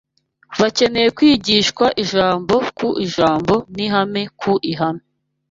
Bakeneye kwigishwa ijambo ku ijambo, n’ihame ku ihame